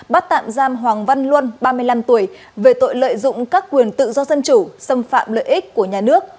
bắt tạm giam hoàng văn luân ba mươi năm tuổi về tội lợi dụng các quyền tự do dân chủ xâm phạm lợi ích của nhà nước